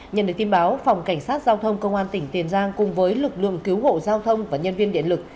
nhận được tin báo phòng cảnh sát giao thông công an tỉnh tiền giang cùng với lực lượng cứu hộ giao thông và nhân viên điện lực